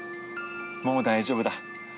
もう大丈夫だ。